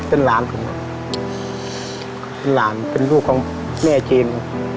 เป็นหลานผมเป็นหลานเป็นลูกของแม่เจมส์